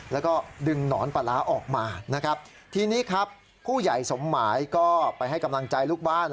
แล้วก็ดึงหนอนปลาร้าออกมานะครับทีนี้ครับผู้ใหญ่สมหมายก็ไปให้กำลังใจลูกบ้าน